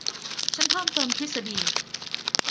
ฉันเพิ่มเติมทฤษฎี